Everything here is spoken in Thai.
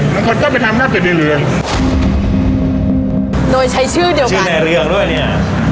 บางคนก็ไปทำหน้าเป็ดในเรือโดยใช้ชื่อเดียวกันชื่อในเรืองด้วยเนี่ย